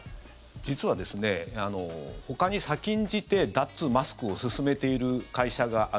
実は、ほかに先んじて脱マスクを進めている会社がある。